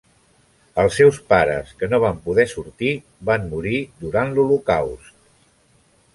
Els seus pares, que no van poder sortir, van morir durant l'Holocaust.